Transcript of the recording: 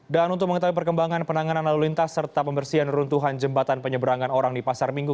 dan untuk mengetahui perkembangan penanganan lalu lintas serta pembersihan runtuhan jembatan penyeberangan orang di pasar minggu